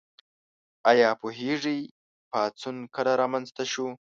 ایا پوهیږئ پاڅون کله رامنځته شو؟